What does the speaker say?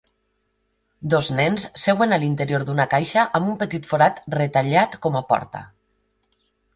Dos nens seuen a l'interior d'una caixa amb un petit forat retallat com a porta.